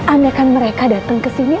andaikan mereka dateng kesini